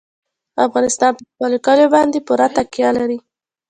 افغانستان په خپلو کلیو باندې پوره تکیه لري.